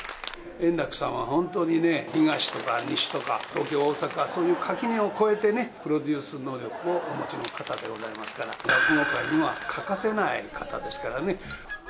円楽さんは本当にね、東とか西とか、東京、大阪、そういう垣根を越えてね、プロデュース能力をお持ちの方でございますから、落語界には欠かせない方ですからね。